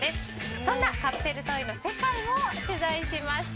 そんなカプセルトイの世界を取材しました。